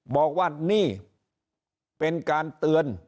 บอกว่านี่เป็นการเตือน